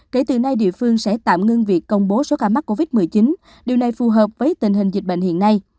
kể từ nay địa phương sẽ tạm ngưng việc công bố số ca mắc covid một mươi chín điều này phù hợp với tình hình dịch bệnh hiện nay